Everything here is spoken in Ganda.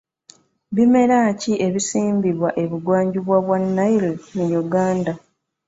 Bimera ki ebisimbibwa ebugwa njuba bwa Nile mu Uganda?